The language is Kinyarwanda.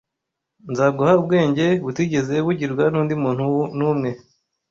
nzaguha ubwenge butigeze bugirwa n’undi muntu n’umwe